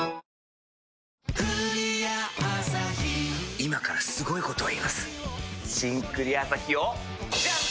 今からすごいこと言います「新・クリアアサヒ」をジャン！